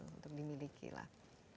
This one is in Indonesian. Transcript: untuk dimiliki lah